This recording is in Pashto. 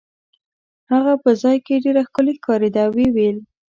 هغه په ځای کې ډېره ښکلې ښکارېده او ویې ویل.